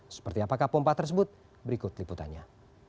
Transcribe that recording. seperti apakah pompa tersebut berikut liputannya